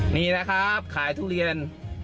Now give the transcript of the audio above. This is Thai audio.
นี่นะครับขายทุเรียน